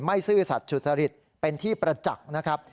ซื่อสัตว์สุจริตเป็นที่ประจักษ์นะครับ